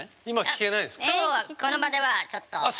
今日はこの場ではちょっと。